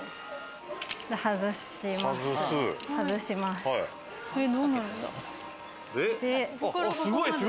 外します。